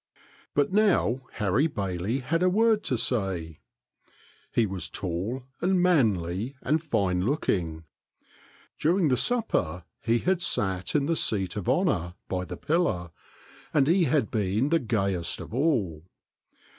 But now Harry Bailey had a word to say. He was tall and manly and fine looking. During the supper he had sat in the seat of honor, by the pillar, and he had been the gayest of all.